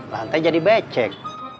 lantai jadi becek